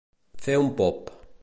Fer un pop.